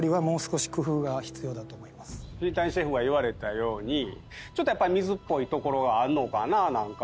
新谷シェフが言われたようにちょっとやっぱり水っぽいところがあるのかななんか。